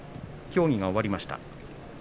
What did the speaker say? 協議が終わりました。